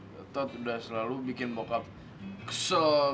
gak tau tuh udah selalu bikin bokap kesel